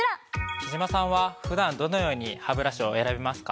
貴島さんは普段どのようにハブラシを選びますか？